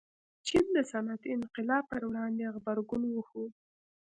چین د صنعتي انقلاب پر وړاندې غبرګون وښود.